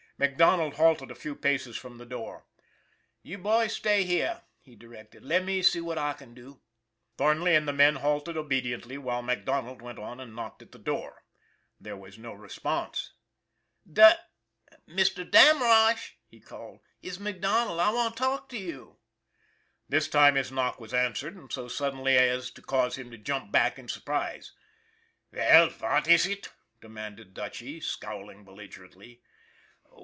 MacDonald halted a few paces from the door. " You boys, stay here," he directed. " Let me see what I can do." Thornley and the men halted obediently, while MacDonald went on and knocked at the door. There was no response. "But Mr. Damrosch!" he called. "It's Mac Donald. I want to talk to you." This time his knock was answered, and so suddenly as to cause him to jump back in surprise. " Veil, vat iss it ?" demanded Dutchy, scowling belligerently.